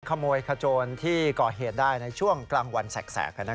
ขโมยคจรที่กอเหตุได้ช่วงกลางวันแสกด้วย